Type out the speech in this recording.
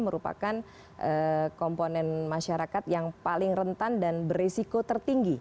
merupakan komponen masyarakat yang paling rentan dan beresiko tertinggi